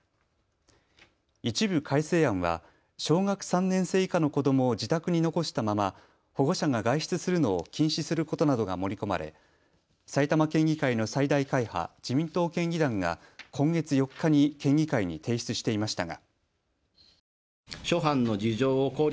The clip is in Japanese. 一部改正案は小学３年生以下の子どもを自宅に残したまま保護者が外出するのを禁止することなどが盛り込まれ埼玉県議会の最大会派、自民党県議団が今月４日に県議会に提出していましたが。